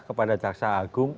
kepada jaksa agung